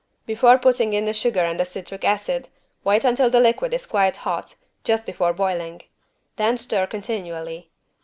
Before putting in the sugar and the citric acid wait until the liquid is quite hot, just before boiling. Then stir continually.